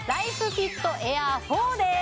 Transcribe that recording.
フィットエアー４です